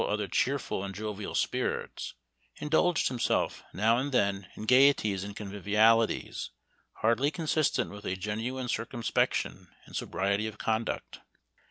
other cheerful and jovial spirits, indulged him self now and then in gayeties and convivialities hardly consistent with a genuine circumspec tion and sobriety of conduct.